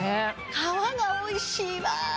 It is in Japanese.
皮がおいしいわ！